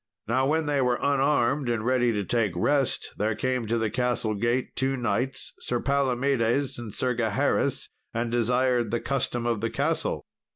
Now, when they were unarmed and ready to take rest, there came to the castle gate two knights, Sir Palomedes and Sir Gaheris, and desired the custom of the castle.